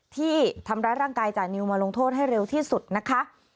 ที่ทำร้ายร่างกายจานิวมาลงโทษให้เร็วที่สุดนะคะ